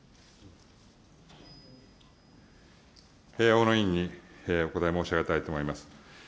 小野委員にお答え申し上げたいと思います。